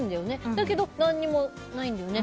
だけど何もないんだよね。